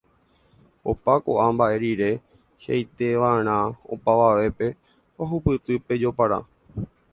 Opa ko'ã mba'e rire, hi'ãiteva'erã opavavépe ohupyty pe jopara